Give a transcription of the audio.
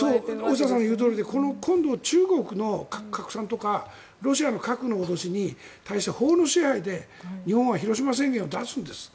大下さんが言うとおりで今度、中国の拡散とかロシアの核の脅しに対して法の支配で日本は広島宣言を出すんです。